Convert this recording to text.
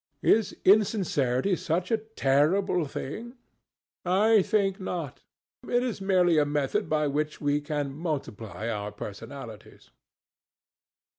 Is insincerity such a terrible thing? I think not. It is merely a method by which we can multiply our personalities.